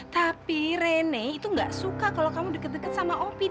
tapi rene itu gak suka kalau kamu deket deket sama opi